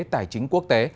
tài chính quốc tế